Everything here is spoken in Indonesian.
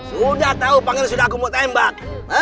sudah tau pengen aku mau tembak